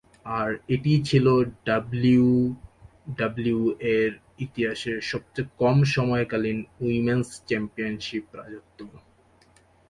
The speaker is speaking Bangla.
আর এটিই ছিল ডাব্লিউডাব্লিউই-এর ইতিহাসে সবচেয়ে কম সময়কালীন উইমেন'স চ্যাম্পিয়নশিপ রাজত্ব।